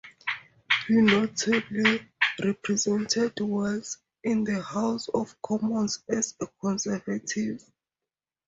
He notably represented Wells in the House of Commons as a Conservative.